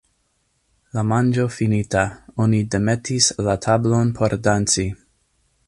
La manĝo finita, oni demetis la tablon por danci.